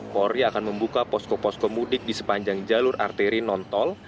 polri akan membuka posko posko mudik di sepanjang jalur arteri non tol